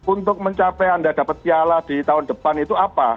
untuk mencapai anda dapat piala di tahun depan itu apa